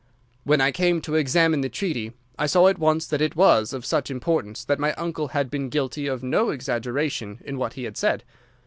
"When I came to examine the treaty I saw at once that it was of such importance that my uncle had been guilty of no exaggeration in what he had said.